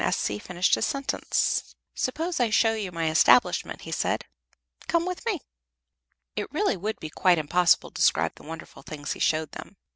finished his sentence. "Suppose I show you my establishment," he said. "Come with me." It really would be quite impossible to describe the wonderful things he showed them.